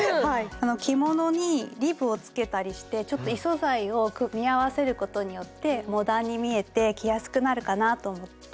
着物にリブをつけたりしてちょっと異素材を組み合わせることによってモダンに見えて着やすくなるかなと思って。